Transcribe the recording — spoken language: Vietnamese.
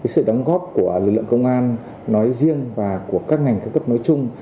sự đóng góp của lực lượng công an nói riêng và của các ngành cao cấp nói chung